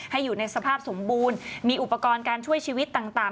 อยู่ในสภาพสมบูรณ์มีอุปกรณ์การช่วยชีวิตต่าง